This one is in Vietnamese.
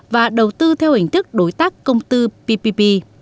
và đầu tư theo hình thức đối tác công tư ppp